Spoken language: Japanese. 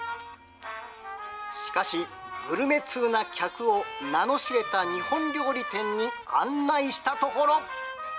しかし、グルメ通な客を名の知れた日本料理店に案内したところ。